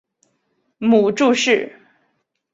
母祝氏。